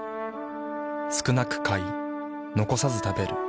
少なく買い残さず食べる。